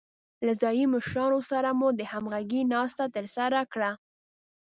له ځايي مشرانو سره مو د همغږۍ ناسته ترسره کړه.